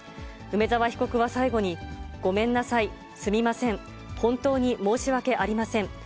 梅沢被告は最後に、ごめんなさい、すみません、本当に申し訳ありません。